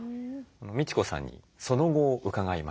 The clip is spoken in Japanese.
みち子さんにその後を伺いました。